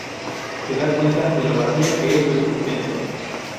Se da cuenta de lo vacía que es su existencia.